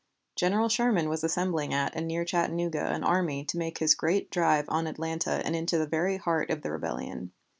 General Sherman was assembling at and near Chattanooga an army to make his great drive on Atlanta and into the very heart of the rebellion.